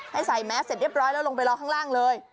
ให้ใส่แมสเสร็จเรียบร้อยแล้วลงไปรอข้างล่างเลย